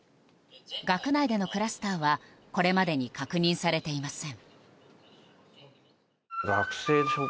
学内でのクラスターはこれまでに確認されていません。